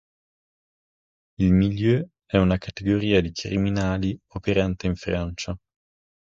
Il Milieu è una categoria di criminali operante in Francia.